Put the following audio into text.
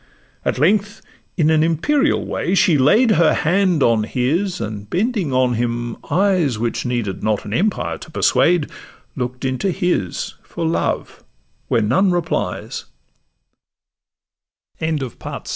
At length, in an imperial way, she laid Her hand on his, and bending on him eyes Which needed not an empire to persuade, Look'd into his for love, where none replies: Her br